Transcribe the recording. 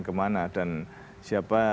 kemana dan siapa